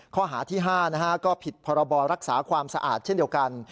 ข้อหาที่๕ก็ผิดพรบรักษาความสะอาดเช่นเดียวกัน